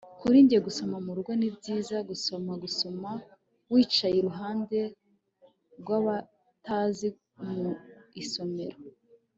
Kuri njye gusoma murugo ni byiza gusoma gusoma wicaye iruhande rwabatazi mu isomero